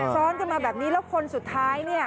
ซ้อนกันมาแบบนี้แล้วคนสุดท้ายเนี่ย